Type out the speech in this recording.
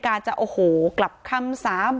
การแก้เคล็ดบางอย่างแค่นั้นเอง